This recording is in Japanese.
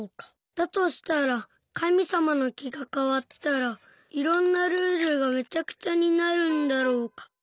だとしたらかみさまのきがかわったらいろんなルールがめちゃくちゃになるんだろうか。